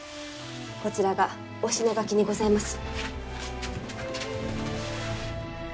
こちらがおしながきにございます。